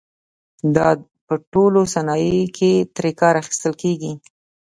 دا په ټولو صنایعو کې ترې کار اخیستل کېږي.